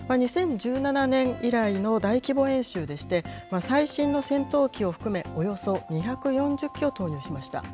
２０１７年以来の大規模演習でして、最新の戦闘機を含め、およそ２４０機を投入しました。